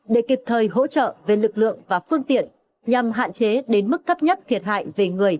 để kịp thời hỗ trợ về lực lượng và phương tiện nhằm hạn chế đến mức thấp nhất thiệt hại về người